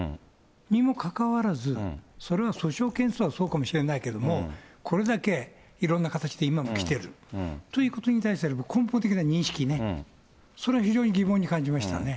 にもかかわらず、それは訴訟件数はそうかもしれないけれども、これだけいろんな形で今起きてるということに対する根本的な認識ね、それは非常に疑問に感じましたね。